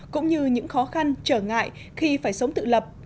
cũng như những khó khăn trở ngại khi phải sống tự lập